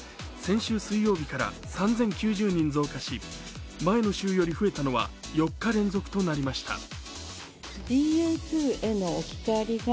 先週水曜日から３０９０人増加し前の週より増えたのは４日連続となりました。